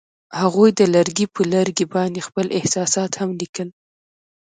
هغوی د لرګی پر لرګي باندې خپل احساسات هم لیکل.